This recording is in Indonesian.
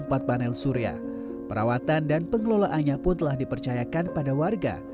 dan setelah penel surya perawatan dan pengelolaannya pun telah dipercayakan pada warga